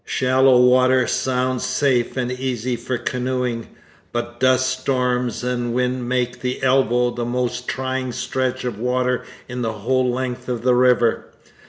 Shallow water sounds safe and easy for canoeing, but duststorms and wind make the Elbow the most trying stretch of water in the whole length of the river.